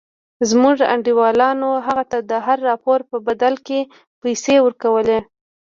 زموږ انډيوالانو هغه ته د هر راپور په بدل کښې پيسې ورکولې.